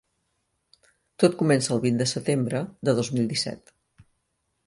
Tot comença el vint de setembre de dos mil disset.